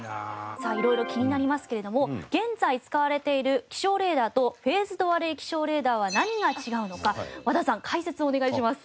さあいろいろ気になりますけれども現在使われている気象レーダーとフェーズドアレイ気象レーダーは何が違うのか和田さん解説をお願いします。